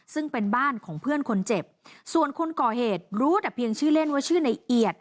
ซึ่งเป็นบ้านของเพื่อนคนเจ็บส่วนคนก่อเหตุรู้แต่เพียงชื่อเล่นว่าชื่อในเอียด